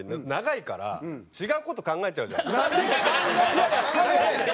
いやいや考えない。